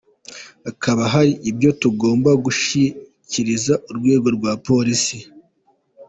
Hakaba hari ibyo tugomba gushyikiriza urwego rwa polisi.